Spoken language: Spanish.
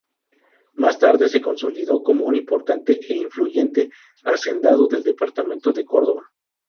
Más tarde se consolidó como un importante e influyente hacendado del departamento de Córdoba.